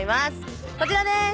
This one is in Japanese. こちらです。